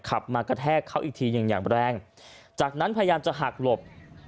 ขับมากระแทกเขาอีกทีอย่างแรงจากนั้นพยายามจะหักหลบ